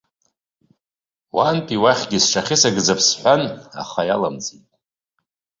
Уантәи уахьгьы сҽахьысыгӡап сҳәан, аха иалымҵит.